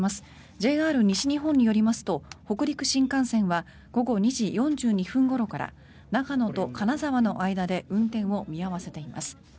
ＪＲ西日本によりますと北陸新幹線は午後２時４２分ごろから長野と金沢の間で運転を見合わせています。